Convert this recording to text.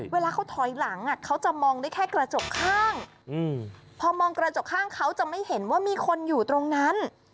เวลาเขาถอยหลังเขาจะมองได้แค่กระจกข้างพอมองกระจกข้างเขาจะไม่เห็นว่ามีคนอยู่ตรงนั้น